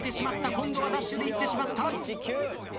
今度はダッシュで行ってしまった。